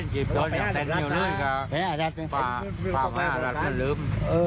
ชีพจรอย่างเต็มเหนื่อยกับภาพภาคอาหารรัฐมนต์ลืม